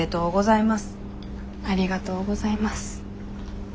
ありがとうございます。